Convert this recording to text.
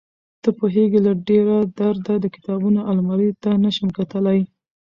ته پوهېږې له ډېره درده د کتابو المارۍ ته نشم کتلى.